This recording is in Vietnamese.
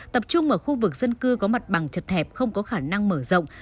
tập trung ở khu vực dân cư có mặt bằng chật hẹp không có khả năng mở rộng